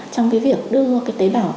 trong cái việc đưa cái tế bào